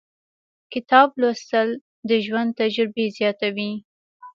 • کتاب لوستل، د ژوند تجربې زیاتوي.